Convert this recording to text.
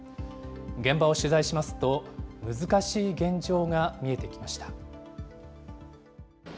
現場を取材しますと、難しい現状が見えてきました。